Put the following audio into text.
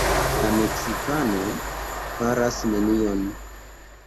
La meksikano faras nenion.